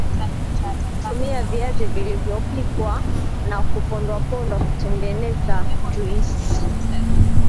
tumia Viazi vilivyopikwa na kupondwapondwa kutengeneza juisi